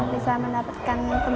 bisa mendapatkan teman